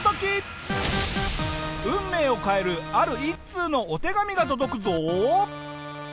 運命を変えるある一通のお手紙が届くぞ！